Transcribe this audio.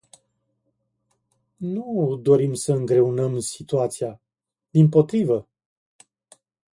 Nu dorim să îngreunăm situația, dimpotrivă!